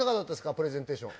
プレゼンテーション。